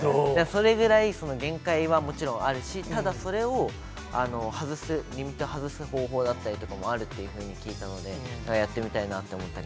それぐらい、限界はもちろんあるし、ただそれを外す、リミッターを外す方法だったりあるというふうに聞いたので、やってみたいなと思ったり。